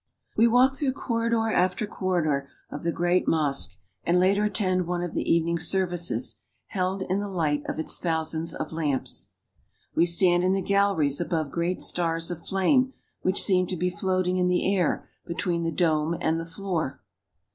We walk through corridor after corridor of the great mosque, and later attend one of the evening services, held in the light of its thousands of lamps. We stand in the galleries above great stars of flame, which seem to be floating in the air between the dome and the floor.